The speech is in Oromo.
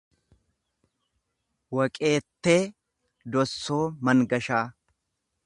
Waqeettee Dossoo Mangashaa